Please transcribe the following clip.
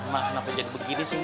mas kenapa jadi begini sih